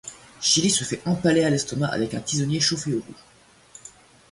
Chili se fait empaler à l'estomac avec un tisonnier chauffé au rouge.